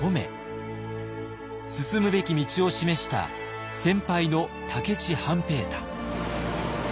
進むべき道を示した先輩の武市半平太。